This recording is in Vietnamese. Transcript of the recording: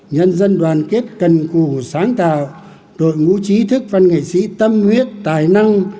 nhân dân đoàn kết cần cù sáng tạo đội ngũ trí thức văn nghệ sĩ tâm huyết tài năng